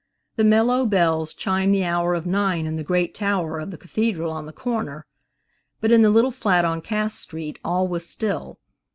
The mellow bells chimed the hour of nine in the great tower of the Cathedral on the corner, but in the little flat on Cass street all was still.